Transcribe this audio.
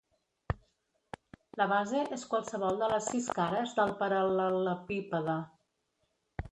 La base és qualsevol de les sis cares del paral·lelepípede.